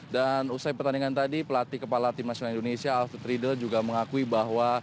dan usai pertandingan tadi pelatih kepala tim nasional indonesia alfred riedel juga mengakui bahwa